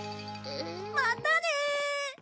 またね！